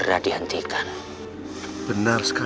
mwater ngerti memang ini sebenarnya tidak masuk